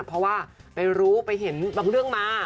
เพราะว่าไปรู้ไปเห็นบางเรื่องมา